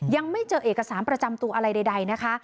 ยังไม่เจอเอกสารประจำตัวอะไรใดนะคะ